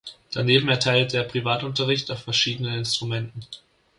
Daneben erteilte er Privatunterricht auf verschiedenen Instrumenten.